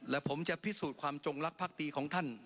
และผมจะพิสูจน์ความจงลักษ์ตีของท่าน